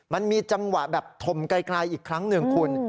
มันมีจังหวะแบบถมไกลอีกครั้งหนึ่งคุณ